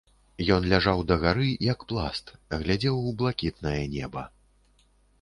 Ён ляжаў дагары, як пласт, глядзеў у блакітнае неба.